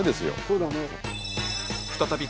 そうだね。